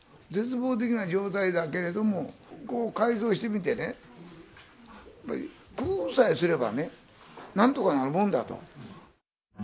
絶望的な状態だけれども、ここを改造してみてね、やっぱり工夫さえすればね、なんとかなるもんだと。